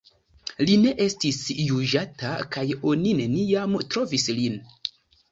Li ne estis juĝata kaj oni neniam trovis lin.